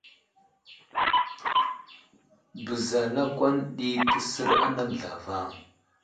Beza lakwan ɗi təsər anaŋ zlavaŋ.